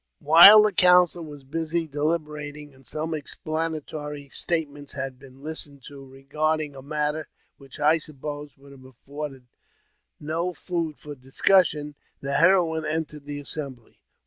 While the council were busy deliberating^ and some explanatory statements had been listened to regard ing a matter which I supposed would have afforded no food for discussion, the heroine entered the assembly.